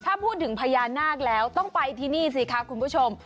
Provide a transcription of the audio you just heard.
ถ้าพูดถึงพญานาคแล้วต้องไปที่นี่สิคะคุณผู้ชม